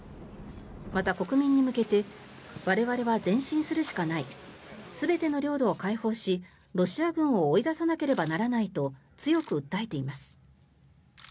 また、国民に向けて我々は前進するしかない全ての領土を解放しロシア軍を追い出さなければならないと強く訴えています。